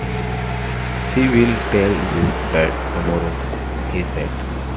“She will tell you that tomorrow,” he said.